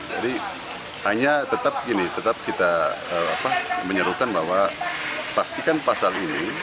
jadi hanya tetap kita menyerukan bahwa pastikan pasal ini